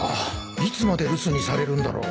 いつまで留守にされるんだろう